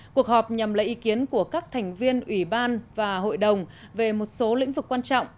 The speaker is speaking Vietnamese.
cuộc họp nhằm lấy ý kiến của các thành viên ủy ban và hội đồng về một số lĩnh vực quan trọng